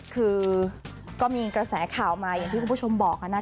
คือก็มีกระแสข่าวมาอย่างที่คุณผู้ชมบอกนะ